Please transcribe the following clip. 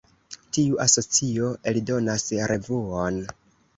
Tiu asocio eldonas revuon.